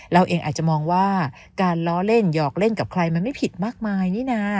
เราเองอาจจะมองว่าการล้อเล่นหยอกเล่นกับใครมันไม่ผิดมากมายนี่นะ